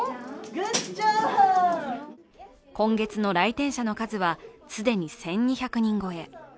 今月の来店者の数は既に１２００人超え。